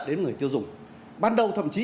đến người tiêu dùng ban đầu thậm chí